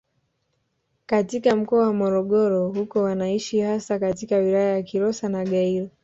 Katika mkoa wa Morogoro huko wanaishi hasa katika wilaya za Kilosa na Gairo